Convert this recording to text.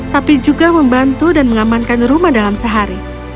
tapi juga membantu dan mengamankan rumah dalam sehari